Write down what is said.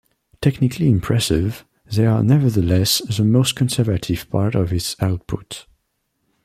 Technically impressive, they are nevertheless the most conservative part of his output.